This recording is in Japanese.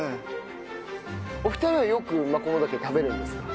お二人はよくマコモダケ食べるんですか？